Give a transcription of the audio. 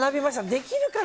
できるかな。